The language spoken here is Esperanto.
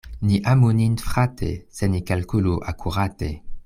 Ni amu nin frate, sed ni kalkulu akurate.